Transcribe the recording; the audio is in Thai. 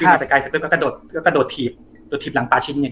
วิ่งมาแต่ไกลเสร็จปุ๊บก็ก็ก็โดดแล้วก็โดดถีบโดดถีบหลังปลาชินเนี่ย